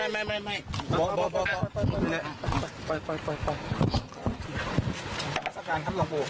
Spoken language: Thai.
อันนี้ครับ